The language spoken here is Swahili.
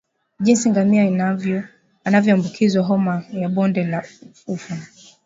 Jinsi ngamia anavyoambukizwa Homa ya bonde la ufa